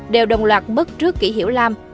đều đồng loạt mất trước kỷ hiểu lam